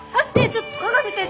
ちょっと香美先生！